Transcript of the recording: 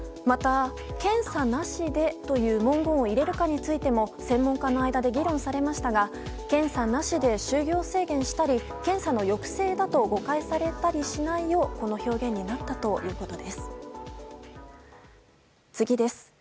また、「検査なしで」という文言を入れるかについても専門家の間で議論されましたが検査なしで就業制限したり検査の抑制だと誤解されたりしないようこの表現になったということです。